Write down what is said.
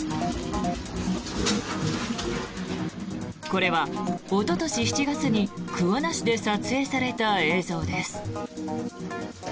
これは、おととし７月に桑名市で撮影された映像です。